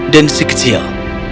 dan si kecil